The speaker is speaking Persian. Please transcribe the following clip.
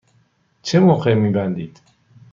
چه موقع می بندید؟